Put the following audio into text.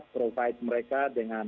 provide mereka dengan